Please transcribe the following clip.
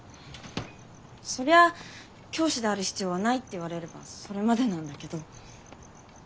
そりゃ教師である必要はないって言われればそれまでなんだけど。